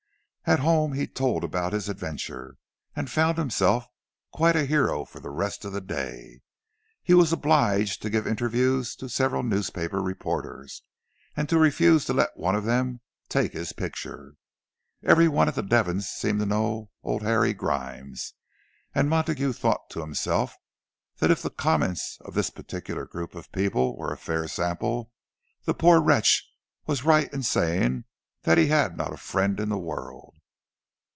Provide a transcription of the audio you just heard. At home he told about his adventure, and found himself quite a hero for the rest of the day. He was obliged to give interviews to several newspaper reporters, and to refuse to let one of them take his picture. Every one at the Devons' seemed to know old Harry Grimes, and Montague thought to himself that if the comments of this particular group of people were a fair sample, the poor wretch was right in saying that he had not a friend in the world.